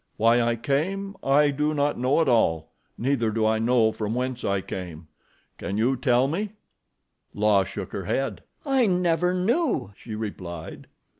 Why I came, I do not know at all; neither do I know from whence I came. Can you tell me?" La shook her head. "I never knew," she replied.